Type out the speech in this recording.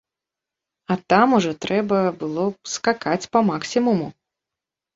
А там ужо трэба было скакаць па-максімуму.